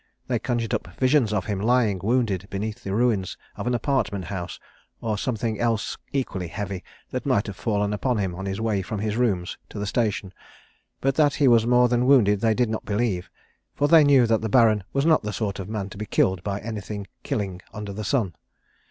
They conjured up visions of him lying wounded beneath the ruins of an apartment house, or something else equally heavy that might have fallen upon him on his way from his rooms to the station, but that he was more than wounded they did not believe, for they knew that the Baron was not the sort of man to be killed by anything killing under the sun.